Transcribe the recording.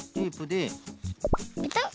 ペタッ。